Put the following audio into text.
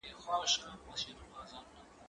زه کولای سم موټر کار کړم،